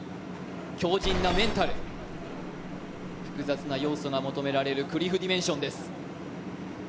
強じんなメンタル、複雑なメンタルが求められるクリフディメンションです。